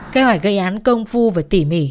cái hỏi gây án công phu và tỉ mỉ